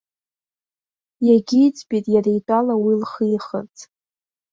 Иагьиӡбеит иара итәала уи лхихырц.